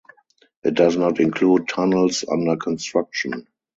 It does not include tunnels under construction.